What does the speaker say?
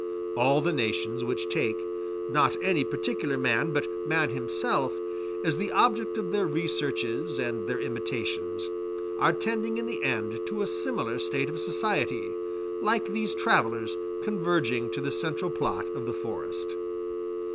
All the nations which take, not any particular man, but man himself, as the object of their researches and their imitations, are tending in the end to a similar state of society, like these travellers converging to the central plot of the forest.